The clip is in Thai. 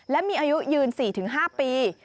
และมีอายุยืน๔๕ปี